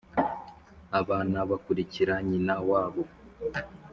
abana bakurikira nyina wawo